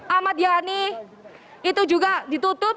ahmad yani itu juga ditutup